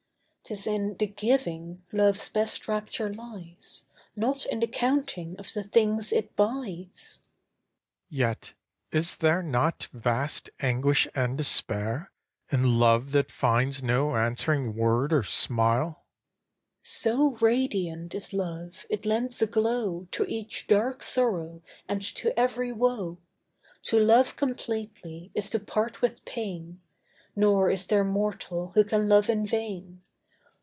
'Tis in the giving, love's best rapture lies, Not in the counting of the things it buys. AHASUERAS Yet, is there not vast anguish and despair In love that finds no answering word or smile? ESTHER So radiant is love, it lends a glow To each dark sorrow and to every woe. To love completely is to part with pain, Nor is there mortal who can love in vain.